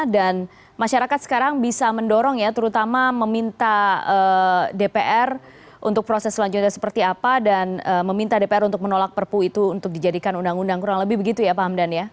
masyarakat sekarang bisa mendorong ya terutama meminta dpr untuk proses selanjutnya seperti apa dan meminta dpr untuk menolak perpu itu untuk dijadikan undang undang kurang lebih begitu ya pak hamdan ya